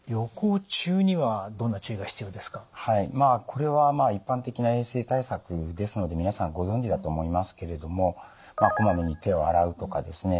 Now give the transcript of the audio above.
これは一般的な衛生対策ですので皆さんご存じだと思いますけれどもこまめに手を洗うとかですね